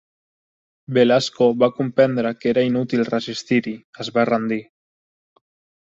Velasco va comprendre que era inútil resistir-hi es va rendir.